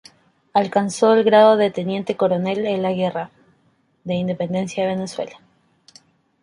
Alcanzó el grado de teniente coronel en la Guerra de Independencia de Venezuela.